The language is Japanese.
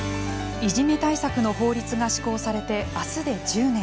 いじめ対策の法律が施行されて明日で１０年。